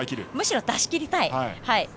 むしろ出し切りたい。